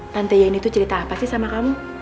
nanti ini tuh cerita apa sih sama kamu